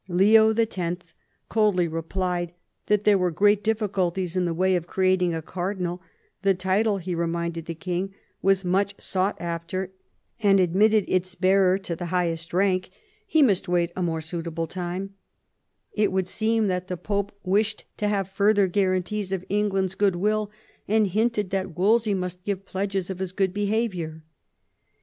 Leo X. coldly replied that there were great difficulties in the way of creating a cardinal : the title, he reminded the king, was much sought after, and admitted its bearer to the highest rank : he must wait a more suitable tima It would seem that the Pope wished to have further guarantees of England's good will, and hinted that Wolsey must give pledges of his good behaviour.